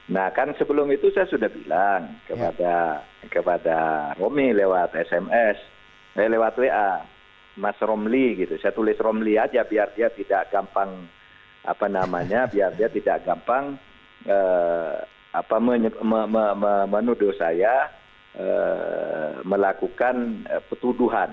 nah kan sebelum itu saya sudah bilang kepada romi lewat sms lewat wa mas romli gitu saya tulis romli aja biar dia tidak gampang menuduh saya melakukan petuduhan